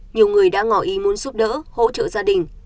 nhiều người đã ngỏ ý muốn giúp đỡ hỗ trợ gia đình